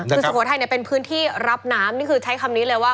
คือสุโขทัยเนี่ยเป็นพื้นที่รับน้ำนี่คือใช้คำนี้เลยว่า